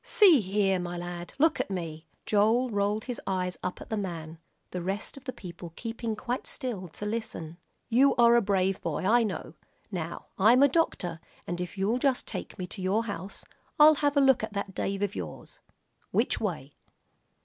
"See here, my lad, look at me." Joel rolled his eyes up at the man, the rest of the people keeping quite still to listen. "You are a brave boy, I know. Now I'm a doctor, and if you'll just take me to your house, I'll have a look at that Dave of yours. Which way?"